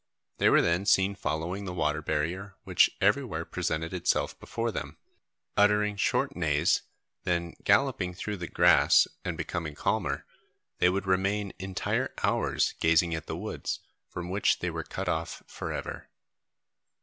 They were then seen following the water barrier which everywhere presented itself before them, uttering short neighs, then galloping through the grass, and becoming calmer, they would remain entire hours gazing at the woods, from which they were cut off for ever!